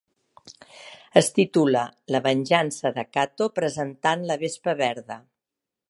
Es titula "La Venjança de Kato presentant la Vespa Verda".